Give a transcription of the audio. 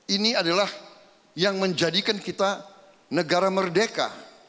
ini adalah yang menjadikan kita negara merdeka